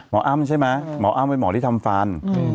อ้ำใช่ไหมหมออ้ำเป็นหมอที่ทำฟัน